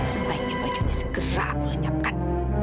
sebaiknya baju ini segera aku lenyapkan